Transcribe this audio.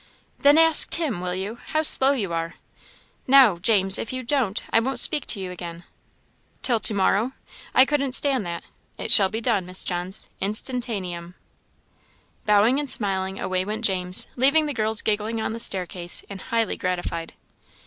"Then ask Tim, will you? How slow you are! Now, James, if you don't, I won't speak to you again." "Till to morrow? I couldn't stand that. It shall be done, Miss Johns, instantum." Bowing and smiling, away went James, leaving the girls giggling on the staircase, and highly gratified.